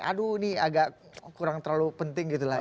aduh ini agak kurang terlalu penting gitu lah